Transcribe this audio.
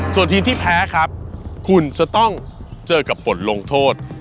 ส่วนทีมที่แพ้ครับคุณจะต้องเจอกับบทลงโทษ